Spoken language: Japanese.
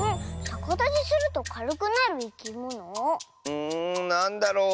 うんなんだろう？